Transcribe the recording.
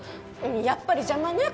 やっぱり邪魔ね